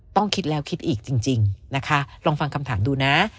ต้องคิดแล้วคิดอีกจริงนะคะลองฟังคำถามดูนะ